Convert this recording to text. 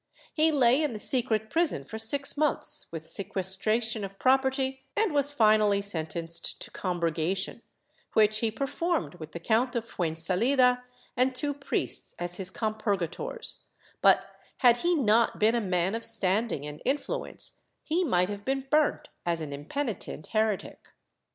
He lay in the secret prison for six months, with sequestration of property, and was finally sentenced to compurgation, which he performed with the Count of Fuensalida and two priests as his compurgators, but had he not been a man of standing and influence he might have been burnt as an impenitent heretic.